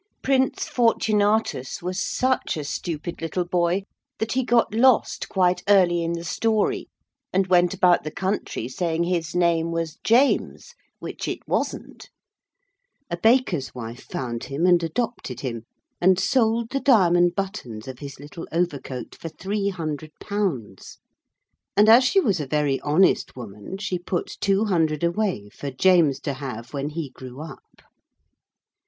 Prince Fortunatus was such a stupid little boy that he got lost quite early in the story, and went about the country saying his name was James, which it wasn't. A baker's wife found him and adopted him, and sold the diamond buttons of his little overcoat, for three hundred pounds, and as she was a very honest woman she put two hundred away for James to have when he grew up.